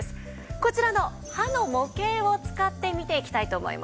こちらの歯の模型を使って見ていきたいと思います。